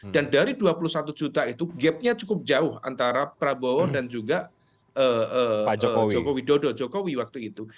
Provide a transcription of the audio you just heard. dan dari dua puluh satu juta itu gapnya cukup jauh antara prabowo dan juga joko widodo jokowi waktu itu